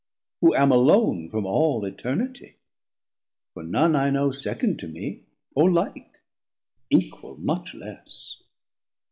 who am alone From all Eternitie, for none I know Second to mee or like, equal much less.